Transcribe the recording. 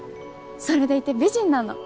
それでいて美人なの。